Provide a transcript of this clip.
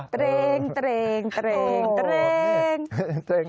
เตรงเตรงเตรงเตรง